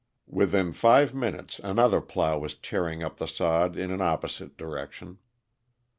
Within five minutes another plow was tearing up the sod in an opposite direction.